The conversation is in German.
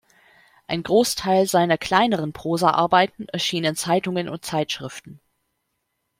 Ein Großteil seiner kleineren Prosaarbeiten erschien in Zeitungen und Zeitschriften.